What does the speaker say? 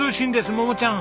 桃ちゃん。